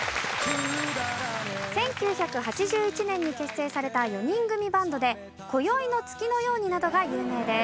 １９８１年に結成された４人組バンドで『今宵の月のように』などが有名です。